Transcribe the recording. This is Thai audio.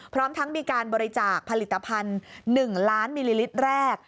พร้อมทั้งมีการบริจาคผลิตภัณฑ์๑ล้านมิลลิลิตรแรก